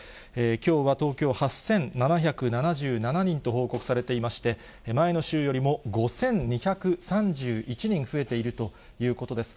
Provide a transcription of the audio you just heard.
きょうは東京、８７７７人と報告されていまして、前の週よりも５２３１人増えているということです。